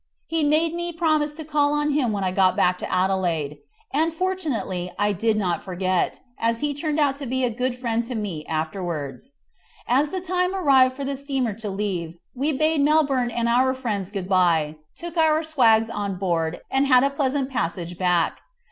He made me promise to call on him when I got back to Adelaide; and fortunately I did not forget, as he turned out to be a good friend to me afterwards. As the time arrived for the steamer to leave we bade Melbourne and our friends good bye, took our swags on board, and had a pleasant passage back.